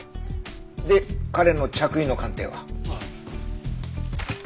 で彼の着衣の鑑定は？